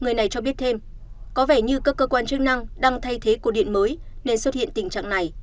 đài cho biết thêm có vẻ như các cơ quan chức năng đang thay thế cột điện mới nên xuất hiện tình trạng này